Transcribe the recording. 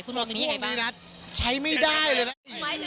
พวกนี้น่ะใช้ไม่ได้เลยสิ